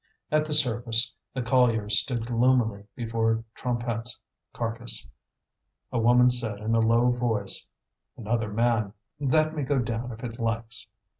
At the surface the colliers stood gloomily before Trompette's carcass. A woman said in a low voice: "Another man; that may go down if it likes!"